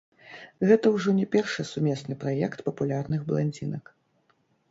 Гэта ўжо не першы сумесны праект папулярных бландзінак.